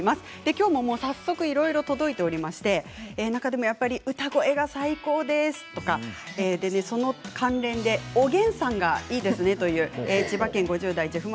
きょうも早速いろいろ届いておりまして中でもやっぱり歌声が最高ですとかその関連でおげんさんがいいですねと千葉県５０代の方からです。